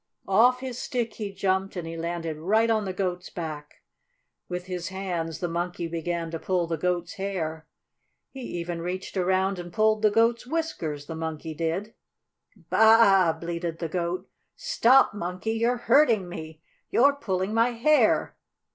Off his stick he jumped, and he landed right on the Goat's back. With his hands the Monkey began to pull the Goat's hair. He even reached around and pulled the Goat's whiskers, the Monkey did. "Baa a a a a!" bleated the Goat. "Stop, Monkey! You're hurting me! You're pulling my hair!"